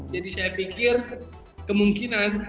jadi saya pikir kemungkinan